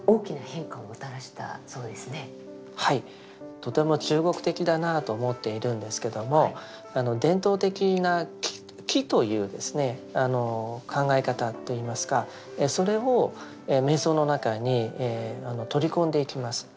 とても中国的だなあと思っているんですけども伝統的な「気」という考え方といいますかそれを瞑想の中に取り込んでいきます。